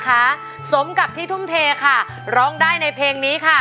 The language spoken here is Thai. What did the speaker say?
คุณยายแดงคะทำไมต้องซื้อลำโพงและเครื่องเสียง